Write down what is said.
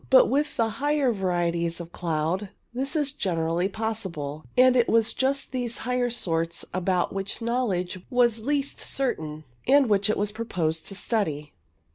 But with the higher varieties of cloud this is generally possible, and it was just these higher sorts about which knowledge was least certain, and which it was proposed to study.